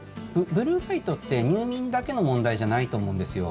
ブルーライトって入眠だけの問題じゃないと思うんですよ。